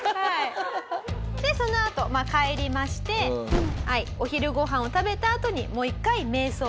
でそのあと帰りましてお昼ご飯を食べたあとにもう一回瞑想をします。